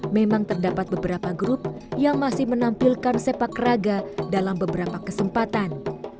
memang terdapat beberapa grup yang masih menampilkan sepak raga dalam beberapa kesempatan